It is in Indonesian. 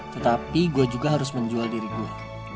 tetapi gue juga harus menjual diri gue